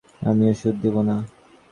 আমি ওষুধ দিব না।